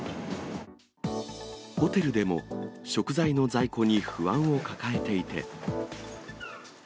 ホテルでも食材の在庫に不安を抱えていて。